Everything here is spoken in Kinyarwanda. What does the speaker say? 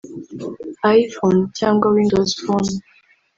iPhone cyangwa Windows Phone